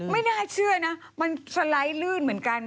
ไม่น่าเชื่อนะมันสไลด์ลื่นเหมือนกัน